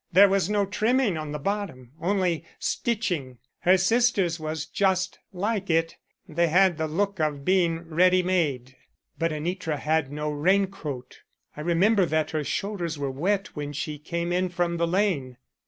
There was no trimming on the bottom, only stitching. Her sister's was just like it. They had the look of being ready made." "But Anitra had no rain coat. I remember that her shoulders were wet when she came in from the lane."